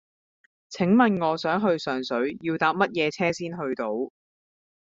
請問我想去上水要搭乜嘢車先去到